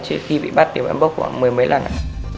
trước khi bị bắt thì bọn em bốc khoảng mười mấy lần ạ